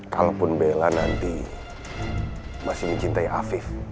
kalaupun bella nanti masih mencintai afif